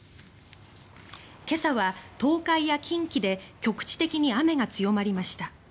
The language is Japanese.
今朝は東海や近畿で局地的に雨が強まりました。